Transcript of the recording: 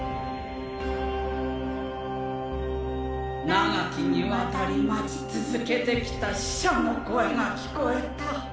永きにわたり待ち続けてきた使者の声が聞こえた。